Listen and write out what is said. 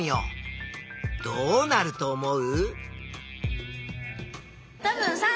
どうなると思う？